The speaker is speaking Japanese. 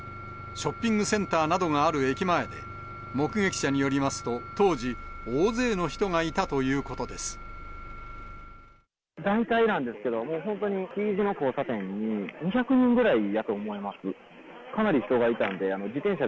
ショッピングセンターなどがある駅前で、目撃者によりますと、当時、大体なんですけど、本当にＴ字の交差点に、２００人ぐらいやと思います。